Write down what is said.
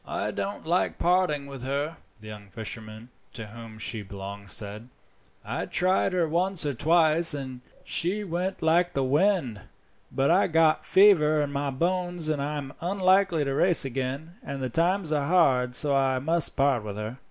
"I don't like parting with her," the young fisherman to whom she belonged said. "I tried her once or twice, and she went like the wind, but I got fever in my bones and I am unlikely to race again, and the times are hard, and I must part with her."